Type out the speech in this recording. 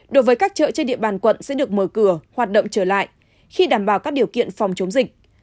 đối với các chợ trên địa bàn quận sẽ được mở cửa hoạt động trở lại khi đảm bảo các điều kiện phòng chống dịch